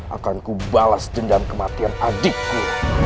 akanku balas dendam kematian adikku